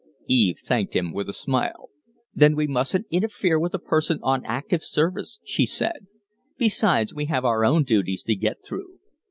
Eve thanked him with a smile. "Then we mustn't interfere with a person on active service," she said. "Besides, we have our own duties to get through."